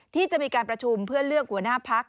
ที่จะมีการประชุมเพื่อเลือกหัวหน้าพัก